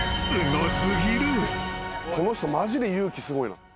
この人マジで勇気すごいな。